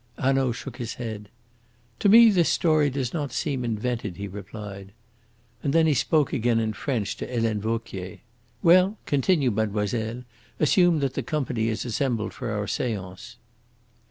Hanaud shook his head. "To me this story does not seem invented," he replied. And then he spoke again in French to Helene Vauquier. "Well, continue, mademoiselle! Assume that the company is assembled for our seance."